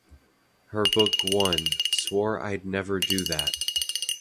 Her book one Swore I'd Never Do That!